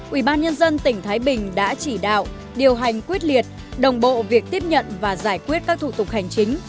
ubnd tỉnh thái bình đã chỉ đạo điều hành quyết liệt đồng bộ việc tiếp nhận và giải quyết các thủ tục hành chính